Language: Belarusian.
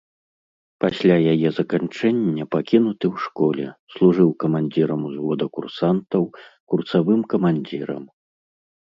Пасля яе заканчэння пакінуты ў школе, служыў камандзірам узвода курсантаў, курсавым камандзірам.